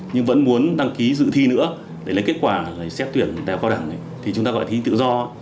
nhưng vẫn muốn đăng ký giữ thi nữa để lấy kết quả xét tuyển đào cao đẳng thì chúng ta gọi thí tự do